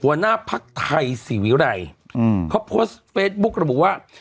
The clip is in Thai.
หัวหน้าพักไทยสิวิรัยเขาโพสต์เฟสบุ๊คก็บอกว่า